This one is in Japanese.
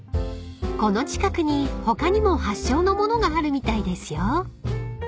［この近くに他にも発祥の物があるみたいですよ］